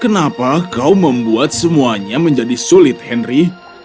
kenapa kau membuat semuanya menjadi sulit henry